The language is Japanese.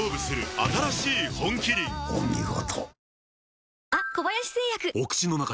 お見事。